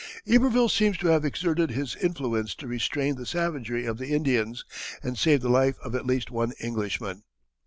Iberville seems to have exerted his influence to restrain the savagery of the Indians, and saved the life of at least one Englishman.